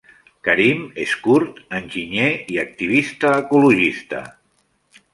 Karim és kurd, enginyer i activista ecologista.